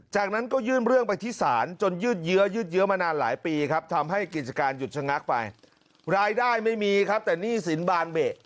จากนั้นก็ยื่นเรื่องไปที่ศาลจนยืดเยื้อยืดเยอะมานานหลายปีครับทำให้กิจการหยุดชะงักไปรายได้ไม่มีครับแต่หนี้สินบานเบะ